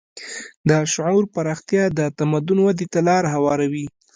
د شعور پراختیا د تمدن ودې ته لاره هواروي.